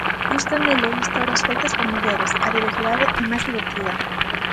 Gústame ler historias feitas por mulleres, a diversidade é máis divertida.